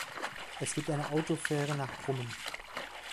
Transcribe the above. Es gibt eine Autofähre nach Brummen.